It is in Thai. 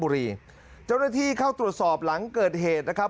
เจ้าหน้าที่เข้าตรวจสอบหลังเกิดเหตุนะครับ